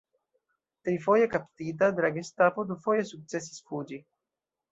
Trifoje kaptita de la gestapo, dufoje sukcesis fuĝi.